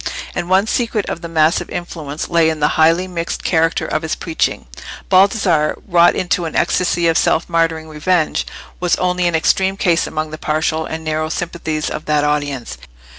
And one secret of the massive influence lay in the highly mixed character of his preaching. Baldassarre, wrought into an ecstasy of self martyring revenge, was only an extreme case among the partial and narrow sympathies of that audience.